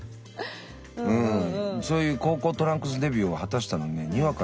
うんそういう高校トランクスデビューを果たしたのをにわかに思い出したけど。